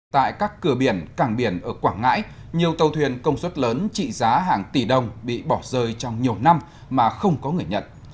tại các cửa biển cảng biển ở quảng ngãi nhiều tàu thuyền công suất lớn trị giá hàng tỷ đồng bị bỏ rơi trong nhiều năm mà không có người nhận